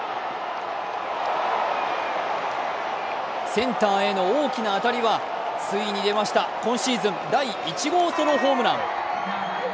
センターへの大きな当たりはついに出ました、今シーズン第１号ソロホームラン。